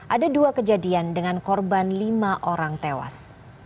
ada dua kejadian dengan korban lima orang tewas